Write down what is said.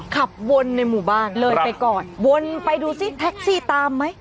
ขับวนในหมู่บ้านเลยไปก่อนวนไปดูซิแท็กซี่ตามไหม